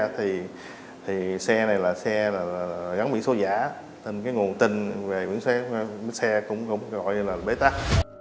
thì xe này là xe gắn biển số giả nên cái nguồn tin về biển số xe cũng gọi là bê tắc